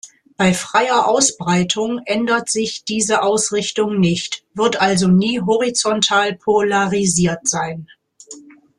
Bei freier Ausbreitung ändert sich diese Ausrichtung nicht, wird also nie horizontal polarisiert sein.